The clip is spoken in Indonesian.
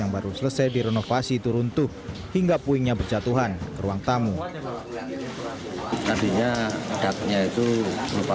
baru selesai direnovasi turun tuh hingga puingnya berjatuhan ruang tamu tadinya datanya itu lupa